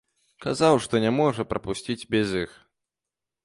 Казаў, што не можа прапусціць без іх.